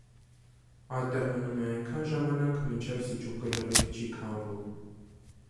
Այդտեղ մնում է այնքան ժամանակ, մինչև սիճուկը լրիվ չի քամվում։